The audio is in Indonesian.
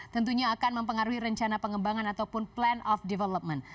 tentunya akan mempengaruhi rencana pengembangan ataupun plan of development